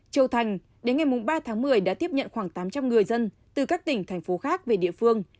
châu thành đến ngày ba tháng một mươi đã tiếp nhận khoảng tám trăm linh người dân từ các tỉnh thành phố khác về địa phương